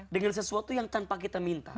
dengan sesuatu yang tanpa kita minta